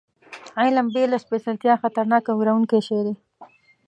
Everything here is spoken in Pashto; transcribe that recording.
علم بې له سپېڅلتیا خطرناک او وېروونکی شی دی.